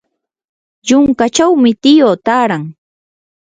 yunkachawmi tiyu taaran.